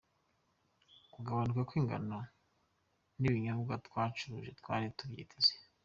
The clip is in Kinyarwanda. Kugabanuka kw’ingano y’ibinyobwa twacuruje twari tubyiteze.